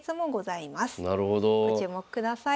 ご注目ください。